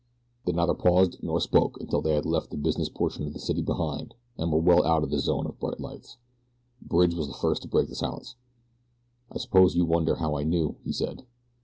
They neither paused nor spoke until they had left the business portion of the city behind and were well out of the zone of bright lights. Bridge was the first to break the silence. "I suppose you wonder how I knew," he said.